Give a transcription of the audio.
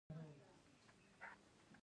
د لیمو غوړي د څه لپاره وکاروم؟